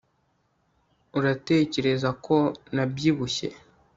uratekereza ko nabyibushye